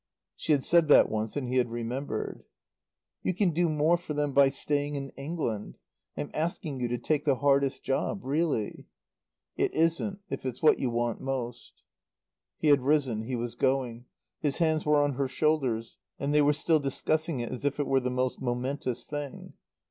(She had said that once and he had remembered.) "You can do more for them by staying in England I'm asking you to take the hardest job, really." "It isn't; if it's what you want most." He had risen. He was going. His hands were on her shoulders, and they were still discussing it as if it were the most momentous thing.